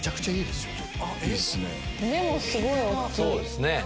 目もすごい大きい。